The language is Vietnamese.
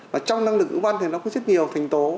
và trong năng lực ngữ văn thì nó có rất nhiều thành tố